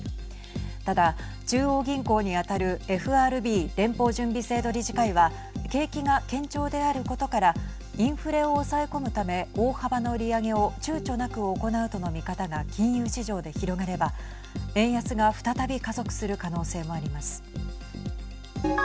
ただ、中央銀行に当たるＦＲＢ＝連邦準備制度理事会は景気が堅調であることからインフレを抑え込むため大幅な利上げをちゅうちょなく行うとの見方が金融市場で広がれば円安が再び加速する可能性もあります。